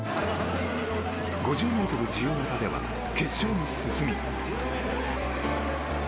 ５０ｍ自由形では決勝に進み。